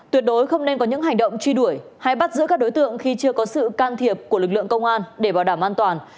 tuyệt đối không nên có những hành động truy đuổi hay bắt giữ các đối tượng khi chưa có sự can thiệp của lực lượng công an để bảo đảm an toàn